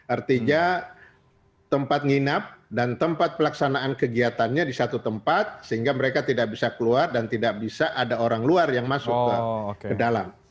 artinya tempat nginap dan tempat pelaksanaan kegiatannya di satu tempat sehingga mereka tidak bisa keluar dan tidak bisa ada orang luar yang masuk ke dalam